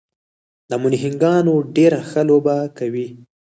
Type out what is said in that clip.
د امو نهنګان ډېره ښه لوبه کوي.